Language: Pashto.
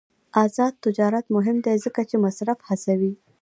آزاد تجارت مهم دی ځکه چې مصرف هڅوي.